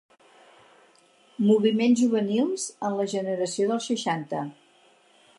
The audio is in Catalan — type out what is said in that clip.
Moviments juvenils en la generació dels seixanta.